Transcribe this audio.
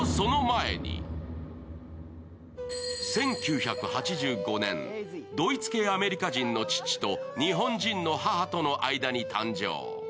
１９８５年、ドイツ系アメリカ人の父と日本人の母との間に誕生。